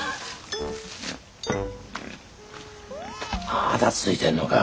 まだ続いてんのか？